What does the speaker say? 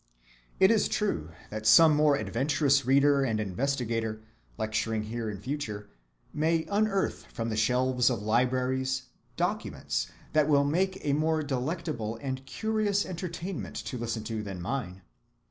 It is true that some more adventurous reader and investigator, lecturing here in future, may unearth from the shelves of libraries documents that will make a more delectable and curious entertainment to listen to than mine.